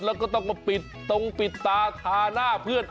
แล้วก็ต้องมาปิดตรงปิดตาทาหน้าเพื่อน